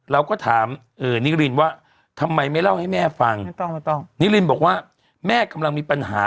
เราก็ถามนิรินว่าทำไมไม่เล่าให้แม่ฟังนิรินบอกว่าแม่กำลังมีปัญหา